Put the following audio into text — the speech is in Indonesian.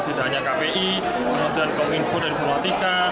tidak hanya kpi kementerian kominfo dan informatika